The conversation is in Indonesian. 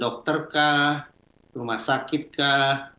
dokter kah rumah sakit kah